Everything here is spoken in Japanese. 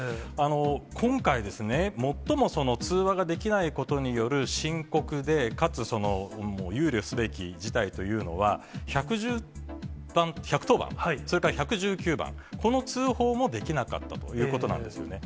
今回、最も通話ができないことによる深刻で、かつ、憂慮すべき事態というのは、１１０番、それから１１９番、この通報もできなかったということなんですよね。